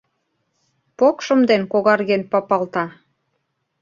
Покшым ден когарген папалта.